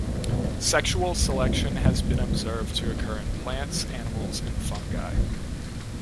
Sexual selection has been observed to occur in plants, animals and fungi.